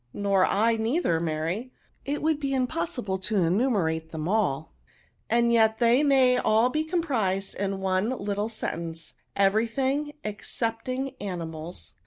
Nor I, neither, Mary ; it would be im possible to enumerate them all ; and yet they may all be comprised in one little sentence ; every thii^, excepting animals."